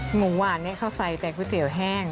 หมูหวานนี้เขาใส่แต่ก๋วยเตี๋ยวแห้ง